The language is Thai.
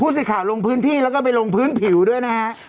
ผู้สิทธิ์ข่าวลงพื้นที่แล้วก็ไปลงพื้นผิวด้วยนะครับ